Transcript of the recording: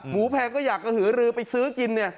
แพงก็อยากกระหือรือไปซื้อกินเนี่ย